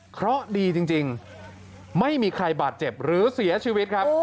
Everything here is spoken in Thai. เพราะดีจริงไม่มีใครบาดเจ็บหรือเสียชีวิตครับ